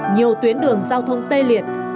nhiều tuyến đường giao thông tê liệt